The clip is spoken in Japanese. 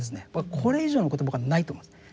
これ以上のことは僕はないと思うんです。